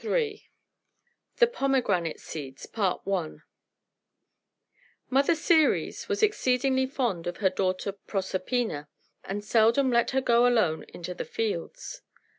CHAPTER II THE POMEGRANATE SEEDS Mother Ceres was exceedingly fond of her daughter Proserpina, and seldom let her go alone into the fields.